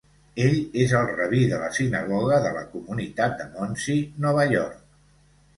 Ell és el rabí de la sinagoga de la comunitat de Monsey, Nova York.